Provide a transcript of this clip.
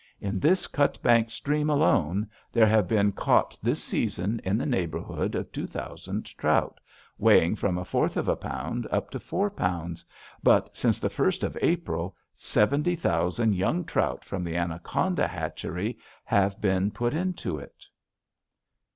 In this Cutbank stream alone there have been caught this season in the neighborhood of two thousand trout, weighing from a fourth of a pound up to four pounds, but since the 1st of April seventy thousand young trout, from the Anaconda hatchery, have been put into it.